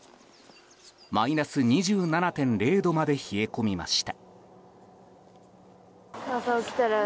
マイナス２７．０度まで冷え込みました。